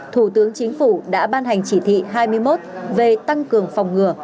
thủ tướng chính phủ đã ban hành chỉ thị hai mươi một về tăng cường phòng ngừa